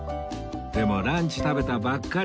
でもランチ食べたばっかり